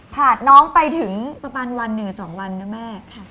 ผ่านน้องไปถึงประมาณวันหนึ่งหรือ๒วันนะแม่